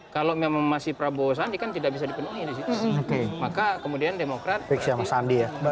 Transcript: kalau memang masih prabowo sandi kan tidak bisa dipenuhi maka kemudian demokrat fiksyang sandi